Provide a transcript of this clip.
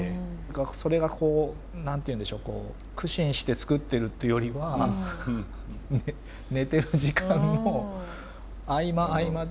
それがこう何と言うんでしょう苦心して作ってるってよりは寝てる時間の合間合間で。